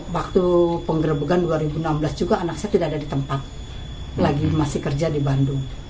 waktu penggerebekan dua ribu enam belas juga anak saya tidak ada di tempat lagi masih kerja di bandung